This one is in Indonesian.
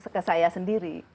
ke saya sendiri